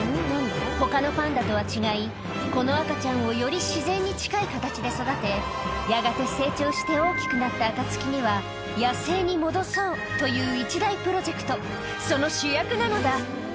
ほかのパンダとは違い、この赤ちゃんをより自然に近い形で育て、やがて成長して大きくなった暁には、野生に戻そうという一大プロジェクト、その主役なのだ。